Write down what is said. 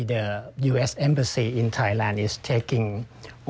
เมื่อมีแผนทางเกิดขึ้นจากนั้นนะครับ